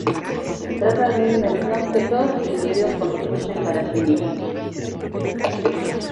Se trata de una invención que todos los individuos construyen para sí mismos.